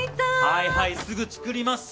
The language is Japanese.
はいはいすぐ作ります。